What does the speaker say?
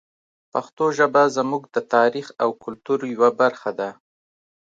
پښتو ژبه زموږ د تاریخ او کلتور یوه برخه ده.